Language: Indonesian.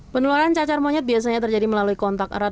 penularan cacar monyet biasanya terjadi melalui kontak erat